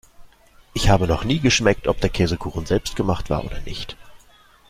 Ich habe noch nie geschmeckt, ob der Käsekuchen selbstgemacht war oder nicht.